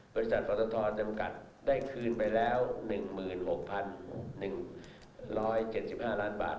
บริษัทปตทจำกัดได้คืนไปแล้ว๑๖๑๗๕ล้านบาท